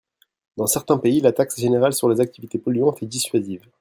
Dans certains pays, la taxe générale sur les activités polluantes est dissuasive.